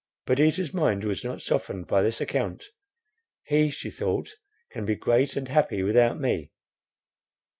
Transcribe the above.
Perdita's mind was not softened by this account. He, she thought, can be great and happy without me.